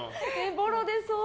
ボロ出そう。